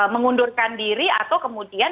mengundurkan diri atau kemudian